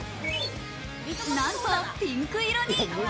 なんとピンク色に。